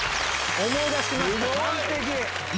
思い出しました。